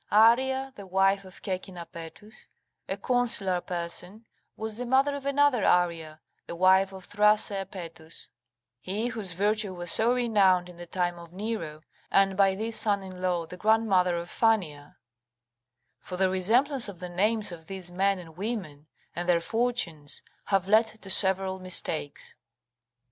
Arria, the wife of Caecina Paetus, a consular person, was the mother of another Arria, the wife of Thrasea Paetus, he whose virtue was so renowned in the time of Nero, and by this son in law, the grandmother of Fannia: for the resemblance of the names of these men and women, and their fortunes, have led to several mistakes.